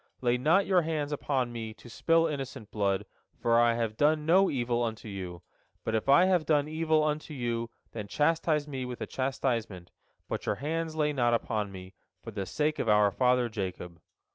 Lay not your hands upon me, to spill innocent blood, for I have done no evil unto you. But if I have done evil unto you, then chastise me with a chastisement, but your hands lay not upon me, for the sake of our father Jacob."